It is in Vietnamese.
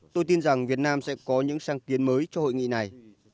tôi tin rằng việt nam sẽ có những sáng kiến mới cho hội nghị này